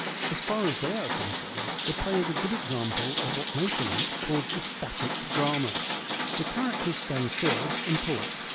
As far as they are concerned, the play is a good example of what Maeterlinck calls the ' static drama.' The characters stand still, and talk.